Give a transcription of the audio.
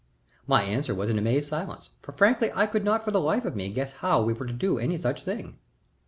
My answer was an amazed silence, for frankly I could not for the life of me guess how we were to do any such thing.